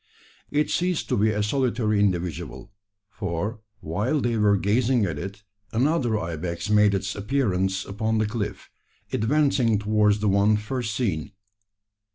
It ceased to be a solitary individual: for while they were gazing at it another ibex made its appearance upon the cliff, advancing towards the one first seen.